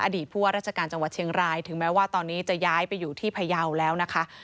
ผู้ว่าราชการจังหวัดเชียงรายถึงแม้ว่าตอนนี้จะย้ายไปอยู่ที่พยาวแล้วนะคะ